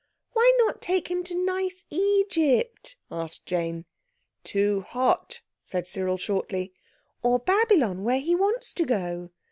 "Why not take him to nice Egypt?" asked Jane. "Too hot," said Cyril shortly. "Or Babylon, where he wants to go?"